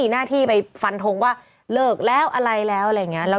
โอเคพักกันสักครู่เดี๋ยวก่อนกลับมาฮะ